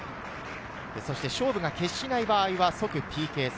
勝負が決しない場合は即ＰＫ戦。